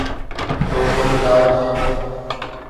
تو وہ بلاول ہیں۔